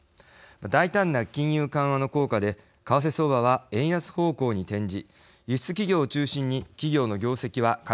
大胆な金融緩和の効果で為替相場は円安方向に転じ輸出企業を中心に企業の業績は改善。